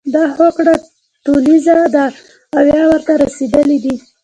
دا هوکړه ټولیزه ده او یا ورته رسیدلي دي.